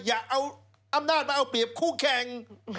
อย่าเอาอำนาจมาเอาเปรียบคู่แข่ง